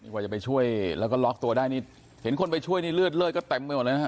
กว่าจะไปช่วยแล้วก็ล็อกตัวได้นี่เห็นคนไปช่วยนี่เลือดเลือดก็เต็มไปหมดเลยนะฮะ